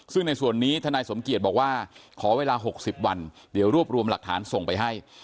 ซึ่งในส่วนนี้ทนายสมเกียจบอกว่าขอเวลา๖๐วันเดี๋ยวรวบรวมหลักฐานส่งไปให้